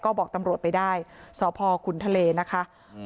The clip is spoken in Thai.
ก็บอกตำรวจไปได้สพขุนทะเลนะคะอืม